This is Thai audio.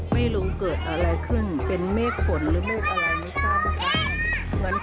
ไม่ลงเกิดอะไรขึ้นเป็นเมฆฝนหรือเมฆอะไรไม่ทราบนะคะ